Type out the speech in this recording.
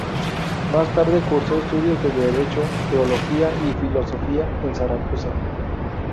Más tarde cursó estudios de Derecho, Teología y Filosofía en Zaragoza.